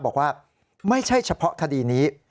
บอกว่าไม่ใช่เฉพาะคดีนี้